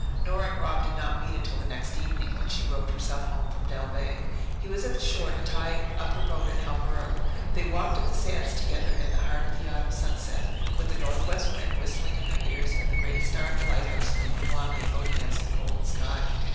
Nora and Rob did not meet until the next evening, when she rowed herself home from Dalveigh. He was at the shore to tie up her boat and help her out. They walked up the sands together in the heart of the autumn sunset, with the northwest wind whistling in their ears and the great star of the lighthouse gleaming wanly out against the golden sky.